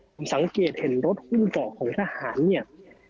ผมสังเกตเห็นรถหุ้มเกาะของทหารเนี่ย